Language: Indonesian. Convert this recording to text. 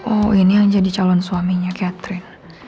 oh ini yang jadi calon suaminya catherine